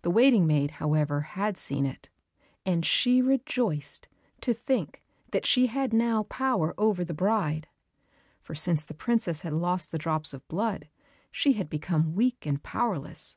The waiting maid, however, had seen it, and she rejoiced to think that she had now power over the bride, for since the princess had lost the drops of blood, she had become weak and powerless.